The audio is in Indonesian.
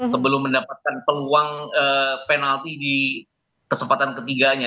sebelum mendapatkan peluang penalti di kesempatan ketiganya